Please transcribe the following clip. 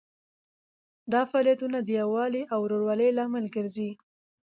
دا فعالیتونه د یووالي او ورورولۍ لامل ګرځي.